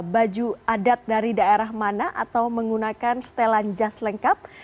baju adat dari daerah mana atau menggunakan setelan jas lengkap